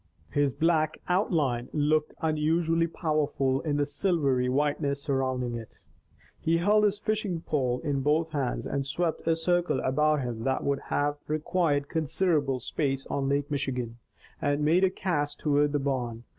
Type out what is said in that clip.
His black outline looked unusually powerful in the silvery whiteness surrounding it. He held his fishing pole in both hands and swept a circle about him that would have required considerable space on Lake Michigan, and made a cast toward the barn.